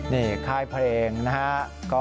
นี่ค่ายเพลงนะฮะ